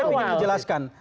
harusnya sudah di awal